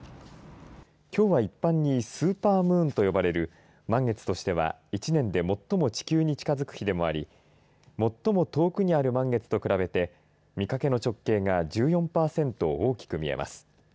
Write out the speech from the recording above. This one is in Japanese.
きょうは一般にスーパームーンと呼ばれる満月としては１年で最も地球で近づく日でもあり最も遠くにある満月と比べて見掛けの直径が１４パーセント大きく見えます。